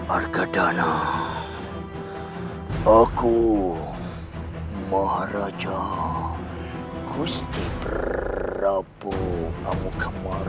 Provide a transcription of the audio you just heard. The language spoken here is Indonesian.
arkadana aku maharaja gusti prabu amukamur